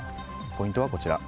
ポイントはこちら。